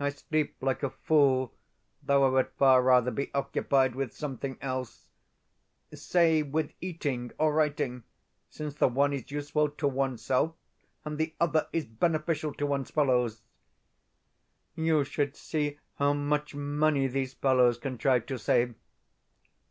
I sleep like a fool, though I would far rather be occupied with something else say, with eating or writing, since the one is useful to oneself, and the other is beneficial to one's fellows. You should see how much money these fellows contrive to save!